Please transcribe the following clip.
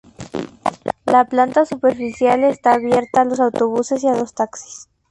La planta superficial está abierta a los autobuses y a los taxis.